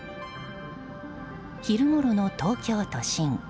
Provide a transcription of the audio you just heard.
昼ごろの東京都心。